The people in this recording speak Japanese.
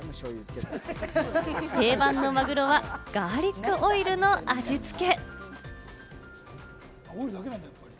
定番のマグロはガーリックオイルの味付け。